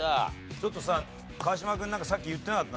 ちょっとさ川島君なんかさっき言ってなかった？